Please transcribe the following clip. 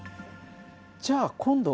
じゃあ今度はね